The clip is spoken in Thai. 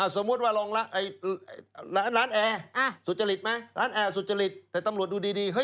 สมมุติว่าลองร้านแอร์สุจริตไหมร้านแอร์สุจริตแต่ตำรวจดูดี